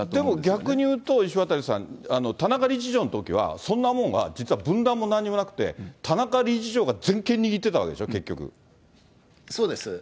逆にいうと、石渡さん、田中理事長のときはそんなものは、実は分断も何もなくて、田中理事長が全権握ってたわけでしょ、結そうです。